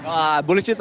wah boleh cerita